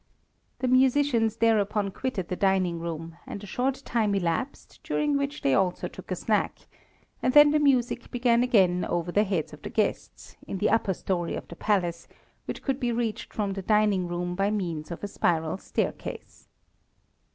The musicians thereupon quitted the dining room, and a short time elapsed, during which they also took a snack, and then the music began again over the heads of the guests, in the upper story of the palace, which could be reached from the dining room by means of a spiral staircase.